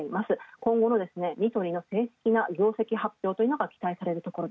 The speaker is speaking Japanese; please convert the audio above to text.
今後のニトリの正式な業績発表というのが期待されるところ。